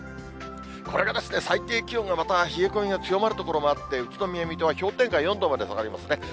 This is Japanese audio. これがですね、最低気温が、また冷え込みが強まる所もあって、宇都宮、水戸は、氷点下４度まで下がりますね。